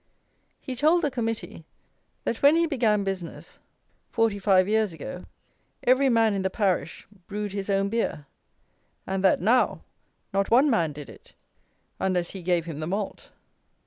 He told the Committee, that when he began business, forty five years ago, every man in the parish brewed his own beer, and that now, not one man did it, unless he gave him the malt!